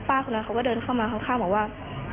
แป๊บนึงเขาก็เดินเข้ามาข้างแล้วแบบว่า